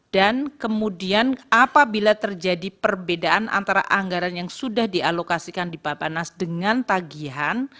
dan kemudian apabila terjadi perbedaan antara anggaran yang sudah dialokasikan di bapak nas dengan tagihan